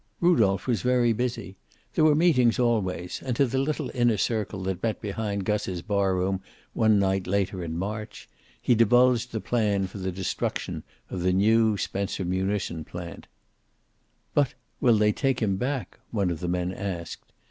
Rudolph was very busy. There were meetings always, and to the little inner circle that met behind Gus's barroom one night later in March, he divulged the plan for the destruction of the new Spencer munition plant. "But will they take him back?" one of the men asked.